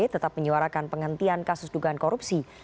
tetap menyuarakan penghentian kasus dugaan korupsi